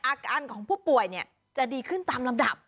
อาการของผู้ป่วยจะดีขึ้นตามลำดับ